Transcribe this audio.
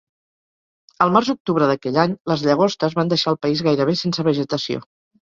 Al març-octubre d'aquell any, les llagostes van deixar el país gairebé sense vegetació.